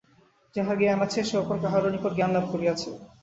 যাহার জ্ঞান আছে, সে অপর কাহারও নিকট জ্ঞানলাভ করিয়াছে।